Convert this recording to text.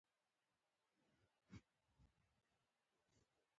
سره له دې چې موږ د مشرانو د تېروتنو مشهورې بېلګې لرو.